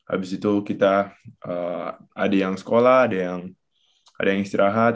abis itu kita ada yang sekolah ada yang istirahat